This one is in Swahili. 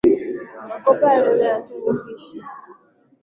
Makopo ya Cleopatra na Antony ya Fishy